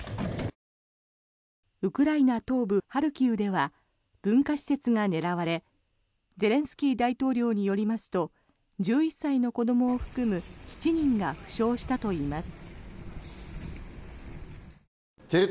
ウクライナ東部ハルキウでは文化施設が狙われゼレンスキー大統領によりますと１１歳の子どもを含む７人が負傷したといいます。